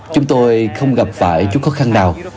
chúng tôi không gặp phải chút khó khăn nào